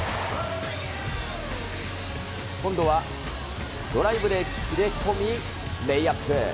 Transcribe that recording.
今度はドライブで切れ込み、レイアップ。